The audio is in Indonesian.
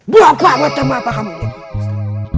bapak macam apa kamu ngaji pak ustadz